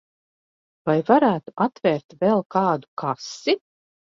Vai varētu atvērt vēl kādu kasi?